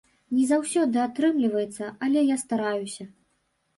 Не заўсёды атрымліваецца, але я стараюся.